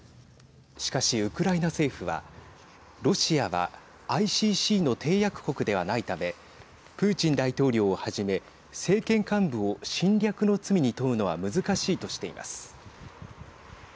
しかし、ウクライナ政府はロシアはＩＣＣの締約国ではないためプーチン大統領をはじめ政権幹部を侵略の罪に問うのは難しいとしています。